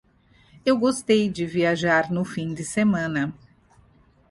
Eu gostei de viajar no fim de semana